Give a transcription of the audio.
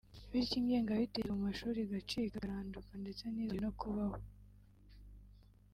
bityo ingengabitekerezo mu mashuri igacika ikaranduka ndetse ntizongere no kubaho